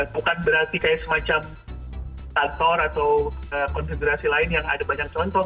bukan berarti kayak semacam kantor atau konfederasi lain yang ada banyak contoh